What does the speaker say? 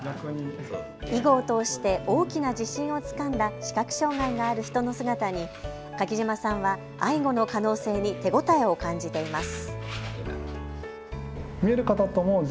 囲碁を通して大きな自信をつかんだ視覚障害がある人の姿に柿島さんはアイゴの可能性に手応えを感じています。